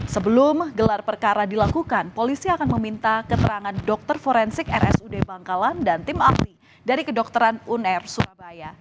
sebelum gelar perkara dilakukan polisi akan meminta keterangan dokter forensik rsud bangkalan dan tim ahli dari kedokteran uner surabaya